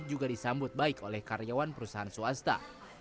juga disambut baik oleh karyawan perusahaan swasta